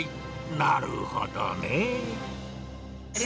なるほどね。